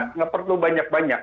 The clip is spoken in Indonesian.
tidak perlu banyak banyak